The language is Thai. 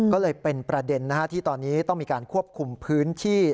ก็เลยเป็นประเด็นที่ตอนนี้ต้องมีการควบคุมพื้นที่